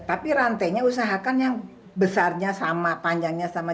tapi rantainya usahakan yang besarnya sama panjangnya sama sama